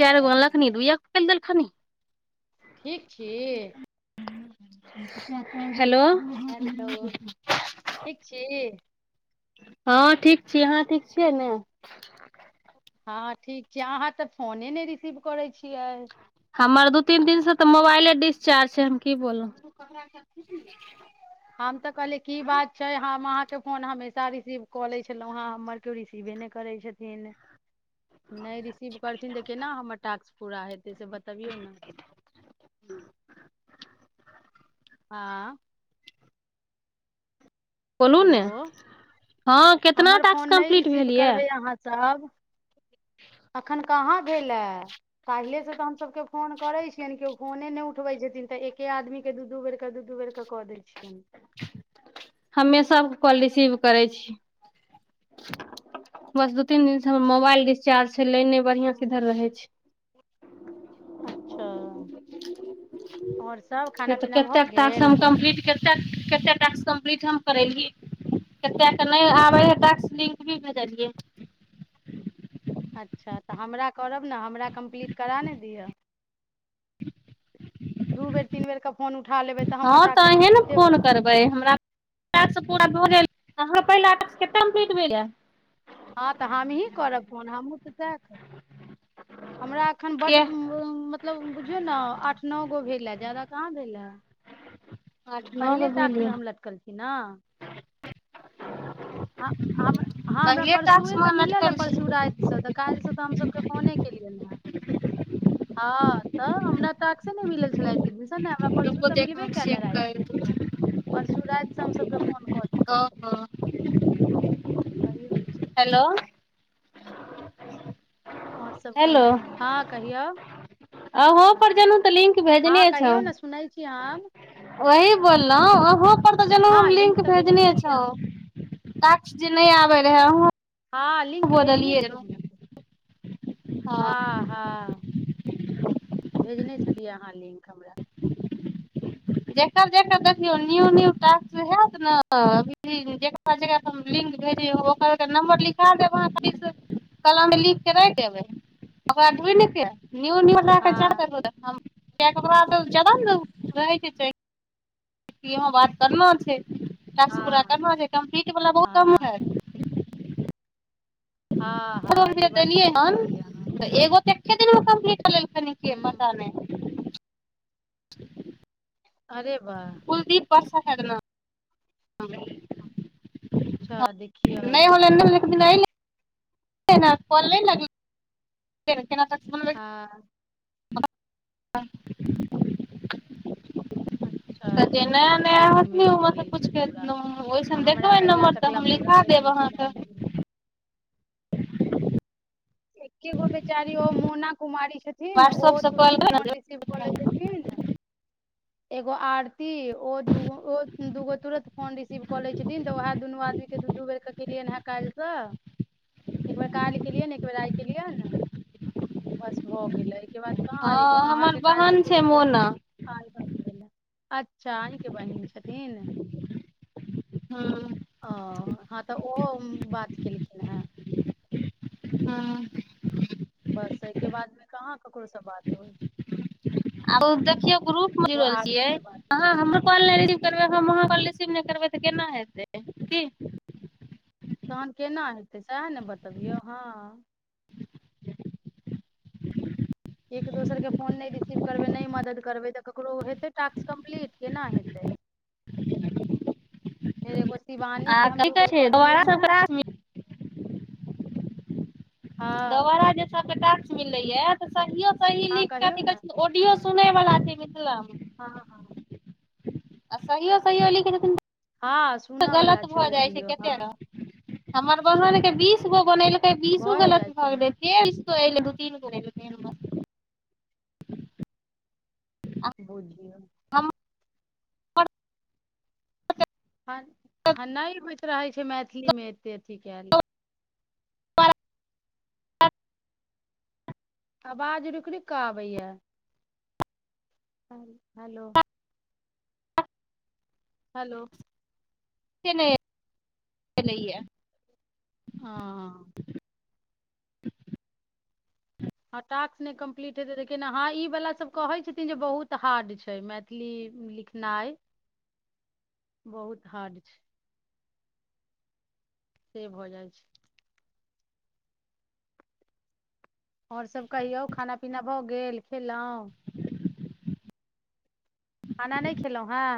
चारिगो अनलखिन दुए पल देलखिन [unintelligible] ठीक खि [inaudible] [unintelligible] हेलो ठीक छी हँ ठीक छी अहाँ ठीक छियै ने हँ ठीक छी अहाँ तऽ फोने नहि रिसीव करै छियैक हमर दू तीन दिनसँ तऽ मोबाइले डिस्चार्ज छैक हम की बोलु हम तऽ कहलिय की बात छैक हम अहाँके फोन हमेशा रिसीव कऽ लै छलहुँ हँ हमर केओ रिसीवे नहि करैत छथिन नहि रिसीव करथिन तऽ केना हमर टास्क पूरा हेतै से बतबियौ ने हँ बोलू ने हेलो हँ कितना टास्क कम्प्लीट भेल यए तब अखन कहाँ भेलै काहिले से तऽ हमसभकेँ फोन करै छियनि केओ फोने नहि उठबै छथिन तऽ एके आदमीकेँ दू दू बेरकेँ दू दू बेरकेँ कऽ दैत छियनि हमे सभकेँ कॉल रिसीव करैत छीयैक बस दू तीन दिनसँ हमर मोबाइल डिस्चार्ज छैक नहि बढ़िआँसँ इधर रहय छैक अच्छा आओर सभ ने खाना ते पीना भऽ कतेक टास्क गेल हम कम्पलीट करिते टास्क कम्पलीट हम करलिय कतेक क नहि आबय हइ टास्क लिंक भी भेजलियै अच्छा तऽ हमरा करब ने हमरा कम्प्लीट करा ने दिअ दू बेर तीन बेरके फोन उठा लेबै तऽ हमर हँ टास्क तऽ अहीँ ने कम्प्लीटे भऽ फोन जेतै करबै हमरा [unintelligible] भऽ हाँ पहिल आ केनाम पीट भेल [unintelligible] हँ तऽ हमहीँ करब फोन हमहूँ तऽ सहय कहय हमरा एखन बड्ड के मतलब बुझियौ ने आठ नओ गो भेल हँ ज्यादा कहाँ भेल हँ आठ नौ गो पहिले भेल या टास्कमे हम लटकल छि न ह हँ हमरा पहिले टास्क परसुए मे तऽ मिलल ह लटकल छी परसू रातिसँ तऽ काल्हिसँ तऽ हमसभकेँ फोने हँ तऽ हमरा टास्के नहि मिलल छलैह हमरा परसू रुकु तऽ एक मिलबे मिनट कैल चेक रातिमे कर परसू राति से हम सबकेँ फोन कऽ चुकल छी ओहो हेलो आओर सब हेलो कहियो हँ कहियो अहूँ पर जनु तऽ लिंक हँ कहियौ ने सुनय छी क आाम [unintelligible] ओही बोललहुँ अहुँ पर तऽ जेना हम हँ लिंक तऽ भेजने छलियै छौ टास्क जे नहि आबय रहय वह हँ लिंक भेजने छियै हमरा हँ हँ भेजने छी चलियै अहाँ लिंक हमरा देखकर देख देख [unintelligible] न आओर न ास [unintelligible] ने अभी जकरा जकरा लिंक भेजब ओकर नम्बर लिखा देब अहाँ खाल कलममे लिखकेँ राखि देबय ओकरा ढूँढिकेँ न्यू न्यू लए कऽ जा हँ देबू तके हँ बाद जब ने र [inaudible] ठीक छैक बात करना छैक टास्क पूरा करना छैक कम्प्लीट वाल बहुत कम हँ है हँ हँ ई है बात ठीके कहलियै अहाँ एक दिनमे कम्पीट क त न के हूँ पता नहि [inaudible] [inaudible] अरे बा पर सकत ना [unintelligible] हँ अच्छा देखिए ना कन लन लागल [inaudible] हँ हँ [inaudible] अच्छा तऽ जे नया देखियौ नया एके दिन होथि मे ओहिमे कऽ तऽ लेलखिन किछुके पूरा आ ओहिसन हमरा देखबै कहिया नम्बर तऽ तकला हम पूरा लिखा देब हेतनि की अहाँके जाने [unintelligible] एक्के गो बेचारी ओ मोना कुमारी छथिन ओ व्हाट्सप से कॉल तुरन्त फोन कर रिसीव क लै छथिन एगो आर ती ओ दूगो ओ दूगो तुरन्त फोन रिसीव कऽ लै छथिन त उहै दुनू आदमी केँ दू दू बेरकेँ केलियनि हे काल्हिसँ एक बेर काल्हि केलियन एक बेर आइ केलियन बस भ गेलै हिके बाद कहाँ एगो हँ हमर अहाँकेँ काल्हिस बहन छै केलि त मोना आइ बात भेल हँ अच् [inaudible] आहिंकेँ बहिन छथिन ओ ह त उहो बात केलखिन ह हँ बस एहिकें बादमे कहाँ ककरोसँ बात होइत छैक आरो देखियौ ग्रुप म जुरल से छियैक बात अहाँ भेलै हमर कॉल नहि रिसीव करबय हम अहाँ कॉल रिसीव नहि करबय त केना हेतय की तहन केना हेतय सैहे ने बतबियौ हँ एक दोसर केँ फोन नहि रिसीव करबय नहि मदद करबय त ककरोे हेतै टाक्स कम्प्लीट केना हेतय फेर एगो शिवानी आ के हम कि दू कहै बेर छै कऽ दोबारा देलियनि हे सब [inaudible] हँ दोबारा जे सबकें टाक्स मिललै ए त सहियो सही हँ लिख कहियौ ने छै ऑडियो सुनय वला छै मिथिला मे हँ हँ आ सहियो सहियो लिख देथिन हँ सुनऽ बला गलत छै भ जाइत छैक ऑडियो हँ केते हमर बहन केँ बीस गो बनैल बीसू भए गलत जाइ छै भ गेलै हँ, फेर [inaudible] बुझियौ पर हँ ह नहि होइत रहै [unintelligible] आवाज रुक रुक आबैय हल हेलो हेलो च नहि एलैए अँ [unintelligible] हँ टाक्स नहि कम्प्लीट हेतै त केना हँ इबला सब कहै छथिन जे बहुत हार्ड छै मैथिली लिखनाइ बहुत हार्ड छ से भऽ जाइ छै और सब कहियौ खाना पीना भऽ गेल खेल‌उं खाना नहि खेल‌उं हैं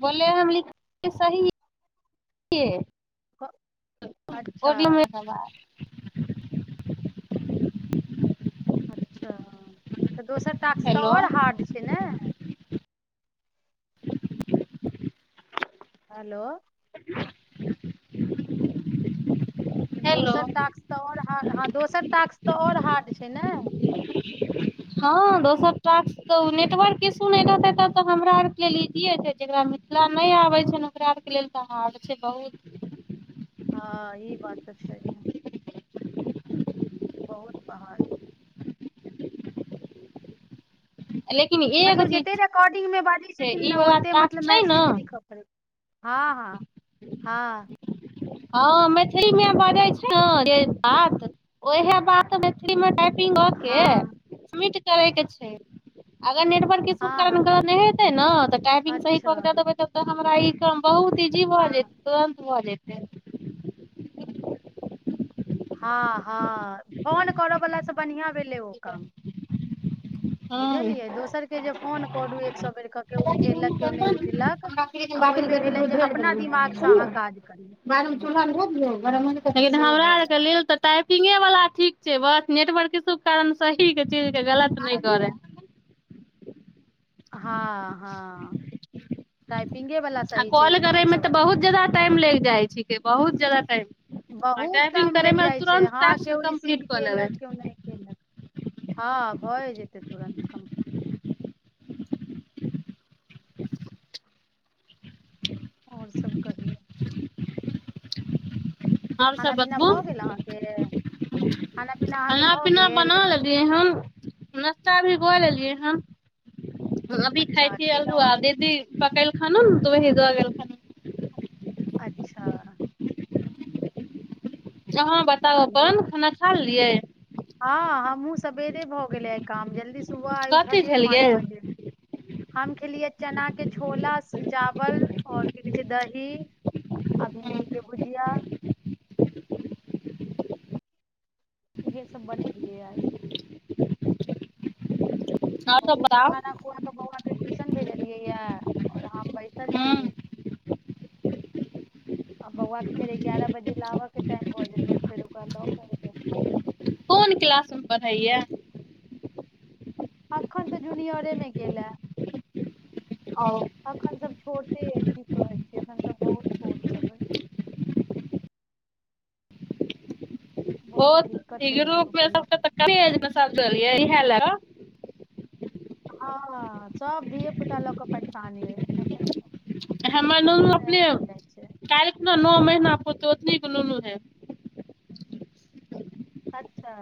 बोले हम लिख सही क- ओ अच्छा [unintelligible] [inaudible] अच्छा तऽ दोसर टास्क तऽ हेलो और हार्ड छै ने [inaudible] हेलो हेलो दोसर टास्क तऽ और ह हँ दोसर टास्क तऽ और हार्ड छै ने हँ दोसर टास्क तऽ ओ नेटवर्क इसु नै रहतै तब तऽ हमरा आरके लेल इजिए छै जेकरा मिथिला नहि आबै छै ओकरा आरके लेल तऽ हार्ड छै बहुत हँ ई बात तऽ छै बहुत पहाड़ छै लेकिन एगो मतलब चीज जते छै रिकॉर्डिंग मे बाजै से छथिन ई ने वला ओते टास्क मतलब छै मैथिली ने मे लिखऽ पड़ै छै। हँ हँ हँ हँ मैथिली मे बजै छी जे बात ओहै बात मैथिली मे टाइप पिंग क हाँ के सबमीट करै के छै अगर नेटवर्क इशु के हाँ कारण हाँ गलत नै हेतै न तऽ टाइपिंग सही अच्छा कऽ दऽ देबै तब त हमरा इ काम बहु त इजी भ जैत हाँ तुरंत भ जैत ह [inaudible] हँ हँ फोन करऽ वला से बढ़िआं भेलै ओ काम हँ बुझलियै दोसरकेँ जे फोन करू एक सौ बेर केँ केओ उठेलक केओ नहि उठेलक आ ओहिमे भेलय जे अपना दिमागसँ अहाँ काज करियौ लेकिन से भऽ जाइत छैक ंग वला ठीक छै बस नेटवर्क इशु [unintelligible] कारण सही केँ चीज केंँ गलत नहि करय हँ हँ टाइप आ कॉल करैमे तऽ बहुत जादा टाइम लैग जाइ छिके बहुत जादा टाइम आ बहुत टाइपिंग टाइम लागि करयमे जाइत छैक तुरन्त हँ टास्क केओ रिसीव कम्प्लीट कऽ लेबै कयलक केओ नहि कयलक हँ भय जेतय तुरन्त कम्प्लीट [inaudible] आओर सभ कहियौ आर सब खाना पीना बतबू भऽ गेल अहाँके पीना अहाँके खाना भऽ पीना गेल बना लेलियै हन नाश्ता भी क लेलियै हँ हँ अभी अच्छा खाइत छी अलहुआ खेलहुँ हेँ आ देदी पकल खानो ने तब हिज गेलेल खान अच्छा अाँ तऽ बताउ अल्हुआ अपन खाना खा लेलियै हँ हमहुँ सवेरे भऽ गेले आ काम जल्दी सुबह आइ उठ कथी लियए पाँच खेलियै बजे हम खेलियै चना केँ छोला चावल और की कहे छैक दही आ हुं, भिंडी केँ भुजिया इहे सब बनलिय आइ आओर सब बउआ केँ बताउ खाना खुआ कऽ बौआ केँ ट्यूशन भेजलियै य ओर बैसल छी हूँ आ बौआकेँ फेर एगारह बजे लाबयकेँ टाइम भऽ जेतय तऽ फेर ओकरा लऽ कऽब कोन क्लासमे पढ़ैय अखन तऽ जूनियरेमे गेल ए ओ अखन सब छोटे की कहैत छी एखन सब बहुत छोट सब अय बहुत ओ दिक्कत अइ रूपज दुनू के लऽ मस कऽ इ ह [unintelligible] हँ सब धीेए पुता लोकअ परेशान अय हे न अपने छै कखना नओ महीना पत उतने [unintelligible] सुनोनो है अच्छा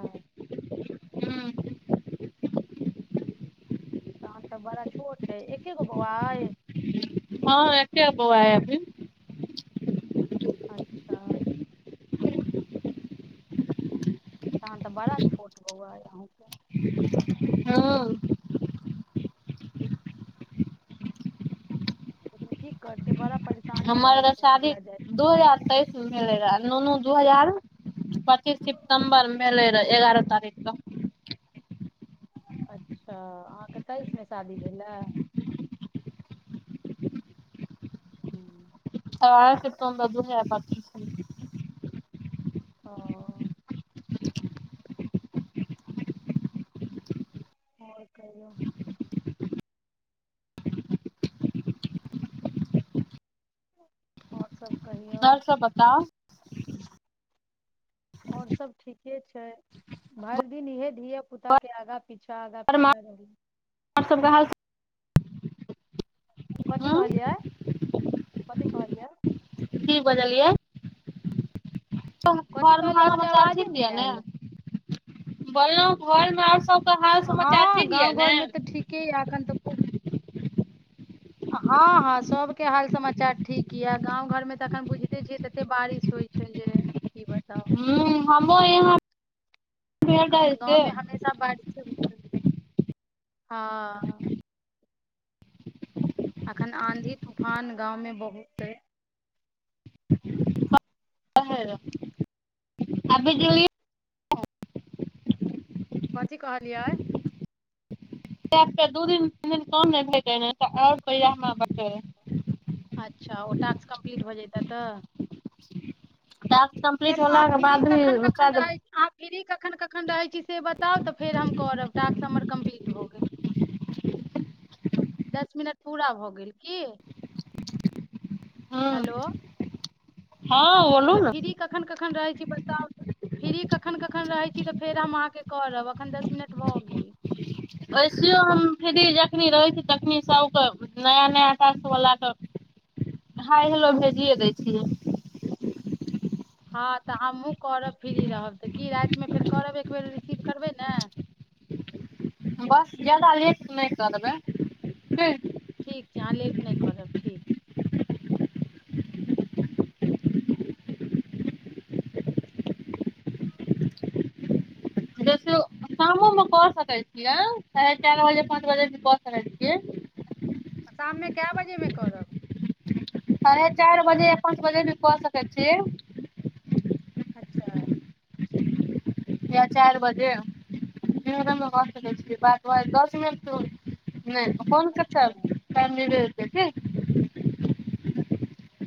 त तऽ बड़ा छोट ह एके गो बौआ हय हँ एकय गो बौआ अय एखन अच्छा तह तऽ बड़ा छोट बौआ यह हँ लेकिन की करतै बड़ा परेशानी रहै हमर छै शादी महिला जाति दू हजार तेइस मे मिले रह ननू दू हजार पच्चीस सितम्बरमे एलय रहय एगारह तारीख त अच्छा अहाँके तेइसमे शादी भेलए हू त फर त द दू हय बकी स ह आओर कहियो आओर सब कहियौ आओर सब बता [unintelligible] आओर सभ ठीके छै भरि दिन इएह धियापुताके आगाँ पीछाँ आगाँ पीछाँ रही आओर सभके हाल कथी हूँ कहलियै कथि कहलियै की बजलियै कथी घरमे कहलियै ह अहाँके समाचार आवाजे ठीक नहि यऽ ने आयल बल घरमे आओर सब हँ गाँव घरमे तऽ ठीके यए एखन तऽ खूब हँ हँ सभके हाल समाचार ठीक यए गाँव घरमे तऽ एखन बुझिते छियै तऽ एतेक बारिश होइत छै जे की बताउ हूँ हमरो यहाँ भेल रहे एखन से गाँवमे हमेशा बढ़ हँ [inaudible] अखन आँधी तूफान गाँव मे बहुत अइ ह आबे जइ कथी कहलियै दू दिन तीन दिन कम नहि आओरपैआा ब अच्छा ओ टास्क कम्प्लीट भऽ जैतय तऽ [unintelligible] कम्प्लीट चलू होलाके फ्री बाद भी कखन कखन शायद छी अहाँ फ्री कखन कखन रहै छी से बताउ तऽ फेर हम करब टास्क हमर कम्प्लीट भऽ गेल दस मिनट पूरा भऽ गेल की हँ बोलू कहलै ने फ्री कखन कखन रहैय छी तब फ्री कखन कखन रहै छी तऽ फेर हम अहाँके करब एखन दस मिनट भऽ गेल वैसो हम फिरी जखनी रहै छी तखनि सभके नया नया टैक्सवलाके हाई हेलो भेजिए दै छियै हँ तऽ हमहूँ करब फ्री रहब तऽ की रातिमे फेर करब एक बेेर रिसीव करबै ने बस ज्यादा लेट नहि कऽ देबै ठीक छै अहाँ लेट नहि करब ठीक छै देखियौ शामोमे कऽ सकय छियैक साढ़े चार बजे पाँच बजे भ कऽ सकैत छियैक शाममे कय बजे मे करब साढ़े चार बजे या पाँच बजे क सकय छियैक अच्छा या चारि बजे दिन द भ सकैत छी बात दस मिनट नहि फोन करता क [unintelligible]